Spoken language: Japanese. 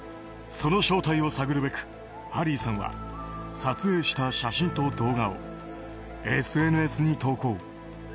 その正体を探るべくハリーさんは撮影した写真と動画をＳＮＳに投稿。